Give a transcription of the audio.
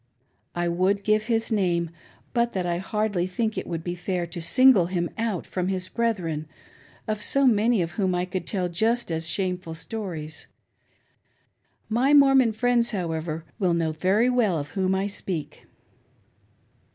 I would give his name, but that I hardly think it would be fair to single him out from his brethren, of so many of whom T could tell just as shame ful stories. My Mormon friends, however, will know very well of whom I speak.